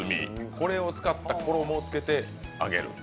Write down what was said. これを使った衣を使って揚げる。